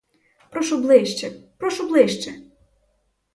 Прошу ближче, прошу ближче!